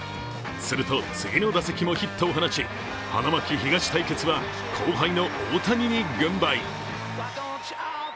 すると、次の打席もヒットを放ち、花巻東対決は後輩の大谷に軍配。